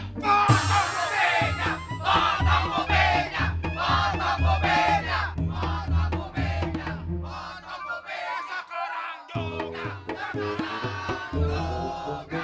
pak haji muhyiddin emang pengen punya kuping sebelah